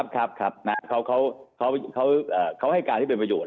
ครับเขาให้การที่เป็นประโยชน